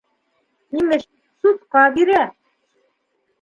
Имеш, судҡа бирә.